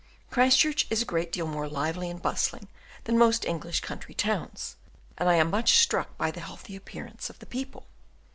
Christchurch is a great deal more lively and bustling than most English country towns, and I am much struck by the healthy appearance of the people.